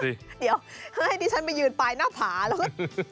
เดี๋ยวให้ดิฉันไปยืนปลายหน้าผาแล้วก็